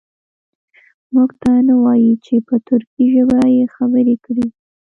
موږ ته نه وایي چې په ترکي ژبه یې خبرې کړي.